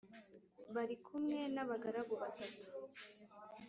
barikumwe nabagaragu batatu